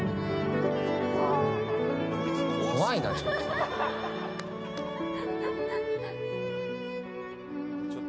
怖いな、ちょっと。